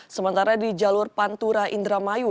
sementara di jalur pantura indramayu